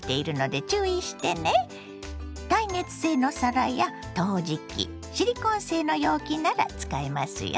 耐熱性の皿や陶磁器シリコン製の容器なら使えますよ。